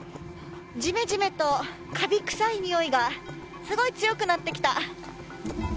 ジメジメとカビ臭いにおいがすごく強くなってきた。